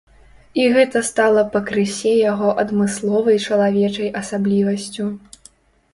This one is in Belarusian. І гэта стала пакрысе яго адмысловай чалавечай асаблівасцю.